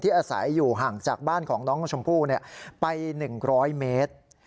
อาศัยอยู่ห่างจากบ้านของน้องชมพู่ไป๑๐๐เมตร